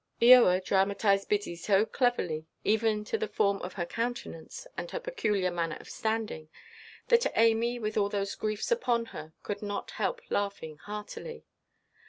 '" Eoa dramatised Biddy so cleverly, even to the form of her countenance, and her peculiar manner of standing, that Amy, with all those griefs upon her, could not help laughing heartily.